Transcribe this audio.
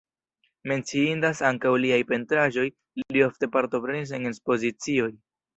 Menciindas ankaŭ liaj pentraĵoj, li ofte partoprenis en ekspozicioj.